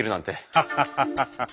ハハハハハハッ。